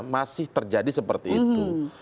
masih terjadi seperti itu